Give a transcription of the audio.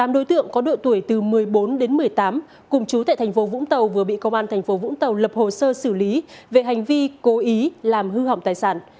tám đối tượng có độ tuổi từ một mươi bốn đến một mươi tám cùng chú tại thành phố vũng tàu vừa bị công an tp vũng tàu lập hồ sơ xử lý về hành vi cố ý làm hư hỏng tài sản